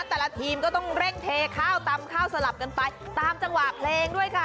แต่ละทีมก็ต้องเร่งเทข้าวตำข้าวสลับกันไปตามจังหวะเพลงด้วยค่ะ